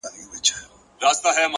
زه د ښار ښايستې لكه كمر تر ملا تړلى يم؛